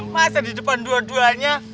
masa di depan dua duanya